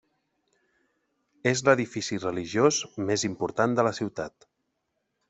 És l'edifici religiós més important de la ciutat.